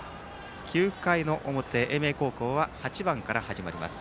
９回の表英明高校は８番から始まります。